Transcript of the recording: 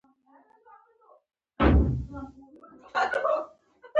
خو کله مو چې وپوښتله که د فضايي بېړۍ یوه څوکۍ خالي شي،